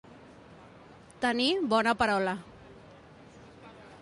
Tenir bona parola.